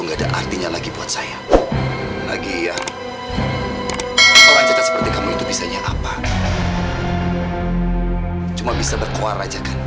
nggak ada artinya lagi buat saya lagi ya seperti kamu itu bisa nyapa cuma bisa berkuarajakan